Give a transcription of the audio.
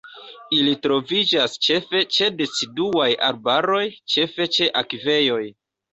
Ili troviĝas ĉefe ĉe deciduaj arbaroj, ĉefe ĉe akvejoj.